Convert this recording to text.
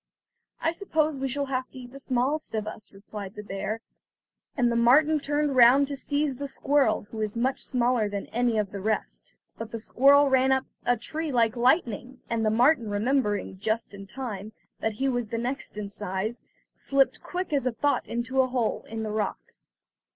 "I suppose we shall have to eat the smallest of us," replied the bear, and the marten turned round to seize the squirrel who was much smaller than any of the rest. But the squirrel ran up a tree like lightning, and the marten remembering, just in time, that he was the next in size, slipped quick as thought into a hole in the rocks.